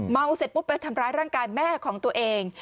เสร็จปุ๊บไปทำร้ายร่างกายแม่ของตัวเอง